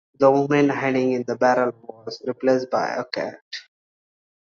The woman hiding in the barrel was replaced by a cat.